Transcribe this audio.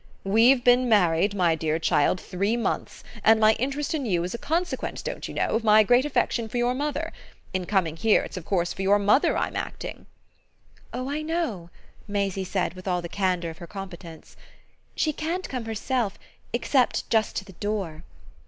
"We've been married, my dear child, three months, and my interest in you is a consequence, don't you know? of my great affection for your mother. In coming here it's of course for your mother I'm acting." "Oh I know," Maisie said with all the candour of her competence. "She can't come herself except just to the door."